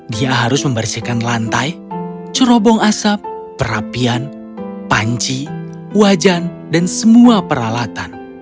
dia harus membersihkan lantai cerobong asap perapian panci wajan dan semua peralatan